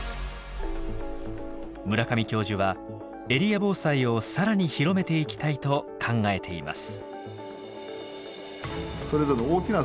村上教授はエリア防災を更に広めていきたいと考えています。